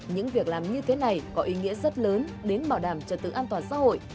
những việc làm như thế này có ý nghĩa rất lớn đến bảo đảm trật tự an toàn xã hội